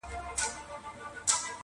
ماته له عمرونو د قسمت پیاله نسکوره سي-